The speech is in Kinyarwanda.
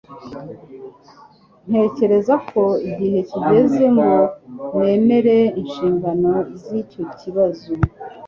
Ntekereza ko igihe kigeze ngo nemere inshingano z'icyo kibazo.